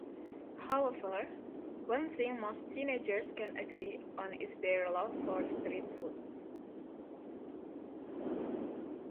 However, one thing most teenagers can agree on is their love for street food.